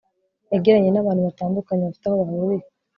yagiranye n'abantu batandukanye bafite aho bahuriye